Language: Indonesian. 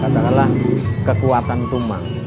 dan kita juga memiliki kekuatan tumang